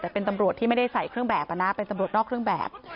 แต่เป็นตำรวจที่ไม่ได้ใส่เครื่องแบบนะเป็นตำรวจนอกเครื่องแบบ